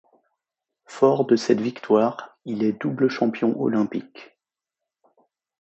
Fort de cette victoire, il est double champion olympique.